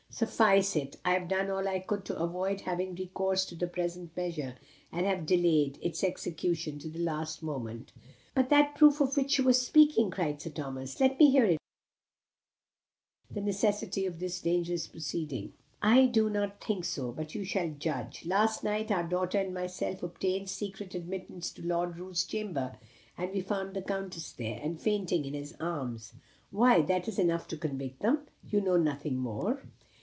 "Suffice it, I have done all I could to avoid having recourse to the present measure; and have delayed its execution to the last moment." "But that proof of which you were speaking?" cried Sir Thomas. "Let me hear it? Perhaps it may obviate the necessity of this dangerous proceeding?" "I do not think so. But you shall judge. Last night, our daughter and myself obtained secret admittance to Lord Roos's chamber, and we found the Countess there, and fainting in his arms." "Why that is enough to convict them. You want nothing more."